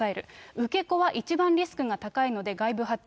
受け子は一番リスクが高いので、外部発注。